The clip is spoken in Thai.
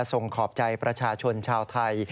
ขอบใจประชาชนชาวไทย